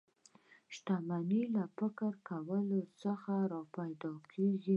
شتمني له فکر کولو څخه را پیدا کېږي